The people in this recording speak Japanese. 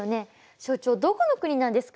所長どこの国なんですか？